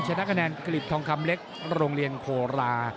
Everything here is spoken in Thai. ชนะคะแนนกลิดทองคำเล็กโรงเรียนโพรา